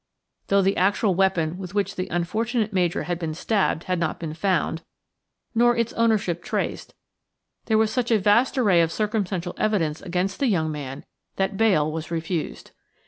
Though the actual weapon with which the unfortunate Major had been stabbed had not been found, nor its ownership traced, there was such a vast array of circumstantial evidence against the young man that bail was refused.